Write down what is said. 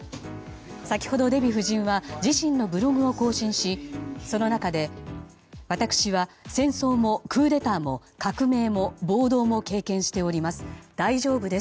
先ほどデヴィ夫人は自身のブログを更新しその中で私は戦争もクーデターも革命も暴動も経験しております。